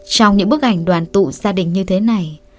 trong những bức ảnh đoàn tụ gia đình như thế này